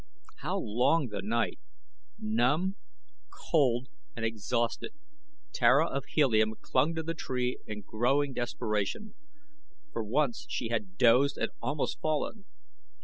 How long the night! Numb, cold, and exhausted, Tara of Helium clung to the tree in growing desperation, for once she had dozed and almost fallen.